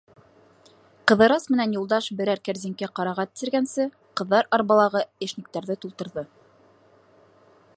Ҡыҙырас менән Юлдаш берәр кәрзинкә ҡарағат тиргәнсе, ҡыҙҙар арбалағы йәшниктәрҙе тултырҙы.